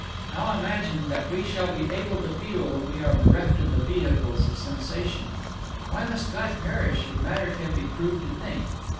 How imagine that we shall be able to feel when we are bereft of the vehicles of sensation? Why must God perish if matter can be proved to think?